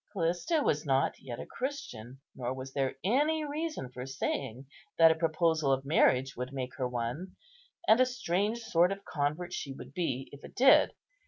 Callista was not yet a Christian, nor was there any reason for saying that a proposal of marriage would make her one; and a strange sort of convert she would be, if it did.